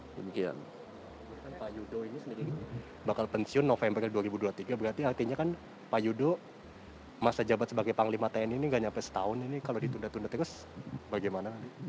pak yudo ini sendiri bakal pensiun november dua ribu dua puluh tiga berarti artinya kan pak yudo masa jabat sebagai panglima tni ini gak nyampe setahun ini kalau ditunda tunda terus bagaimana